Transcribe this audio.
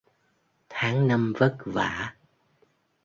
Tháng năm vất vả